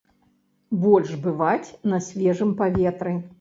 Больш бываць на свежым паветры.